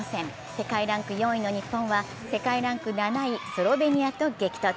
世界ランク４位の日本は世界ランク７位スロベニアと激突。